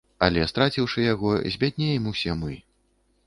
Але, страціўшы яго, збяднеем усе мы.